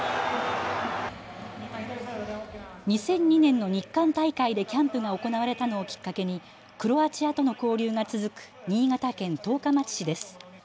２００２年の日韓大会でキャンプが行われたのをきっかけにクロアチアとの交流が続く新潟県十日町市です。